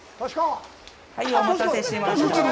はい、お待たせしました。